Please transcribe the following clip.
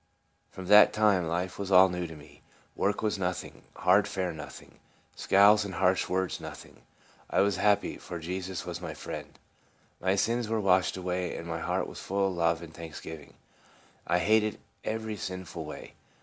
From that time life was all new to me. Work was nothing; hard fare nothing; scowls and harsh words nothing. I was happy, for Jesus was my friend ; my sins were washed away, and my heart was full of love and thanksgiving. I hated every sinful way.